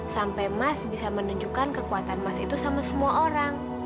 sampai mas bisa menunjukkan kekuatan emas itu sama semua orang